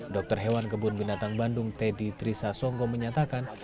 dokter hewan kebun binatang bandung teddy trisa songko menyatakan